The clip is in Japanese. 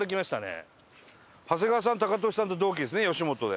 長谷川さんはタカトシさんと同期ですね吉本で。